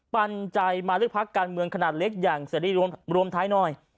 ปันใจมาเลือกพักการเมืองขนาดเล็กอย่างเสรีรวมท้ายหน่อย